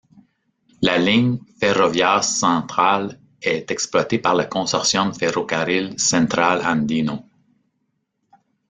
La ligne Ferrovías Central est exploitée par le consortium Ferrocarril Central Andino.